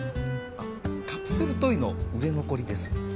あカプセルトイの売れ残りです